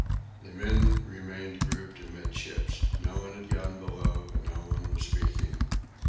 The men remained grouped amidships. No one had gone below, and no one was speaking.